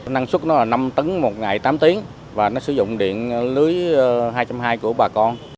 năng suất nó là năm tấn một ngày tám tiếng và nó sử dụng điện lưới hai trăm linh hai của bà con